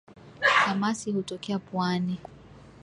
Kamasi kutokea puani